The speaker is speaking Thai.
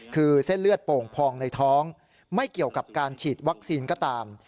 คือเส้นเลือดโป่งพองในท้องไม่เกี่ยวกับการฉีดวัคซีนก็ตาม